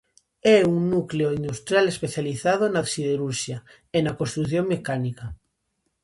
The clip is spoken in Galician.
É un núcleo industrial especializado na siderurxia e na construción mecánica.